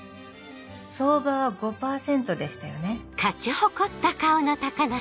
相場は５％でしたよね？